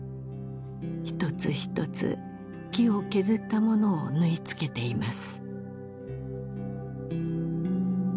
一つ一つ木を削ったものを縫いつけています